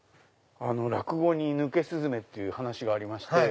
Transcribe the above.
落語に『抜け雀』っていう話がありまして。